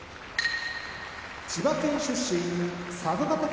千葉県出身佐渡ヶ嶽